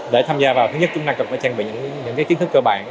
để tham gia vào thứ nhất chúng ta cần phải trang bị những kiến thức cơ bản